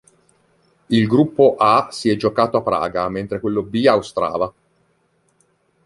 Il gruppo A si è giocato a Praga, mentre quello B a Ostrava.